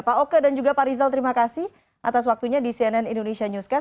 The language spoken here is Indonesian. pak oke dan juga pak rizal terima kasih atas waktunya di cnn indonesia newscast